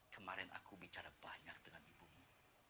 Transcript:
kemarin aku bicara banyak dengan ibumu